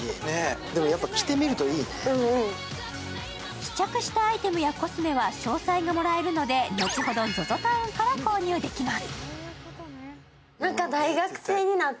試着したアイテムやコスメは詳細がもらえるので、後ほどＺＯＺＯＴＯＷＮから購入ができます。